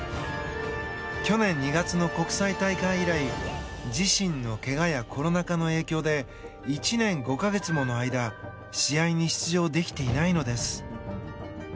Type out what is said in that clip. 去年２月の国際大会以来自身のけがやコロナ禍の影響で１年５か月もの間試合に出場できていないのです。